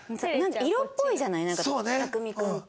色っぽいじゃない匠海君って。